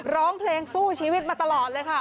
ร้องเพลงสู้ชีวิตมาตลอดเลยค่ะ